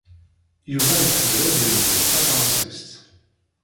Yuba iḥemmel ad yelmed tafransist.